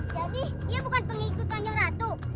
jadi dia bukan pengikut ganteng ratu